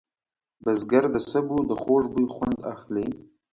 بزګر د سبو د خوږ بوی خوند اخلي